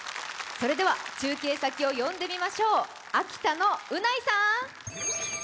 それでは中継先を呼んでみましょう秋田の宇内さん！